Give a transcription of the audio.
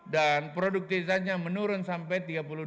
dan produktivitasnya menurun sampai tiga puluh dua